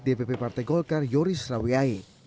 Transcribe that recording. dpp partai golkar yoris rawiyai